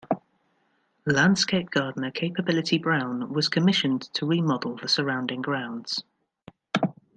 Landscape gardener Capability Brown was commissioned to remodel the surrounding grounds.